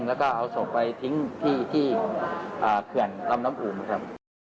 แล้วก็เอาศพไปทิ้งที่เขื่อนลำน้ำอุ่นครับ